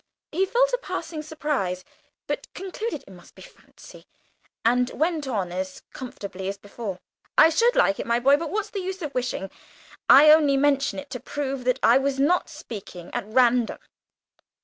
He felt a passing surprise, but concluded it must be fancy, and went on as comfortably as before. "I should like it, my boy, but what's the good of wishing? I only mention it to prove that I was not speaking at random.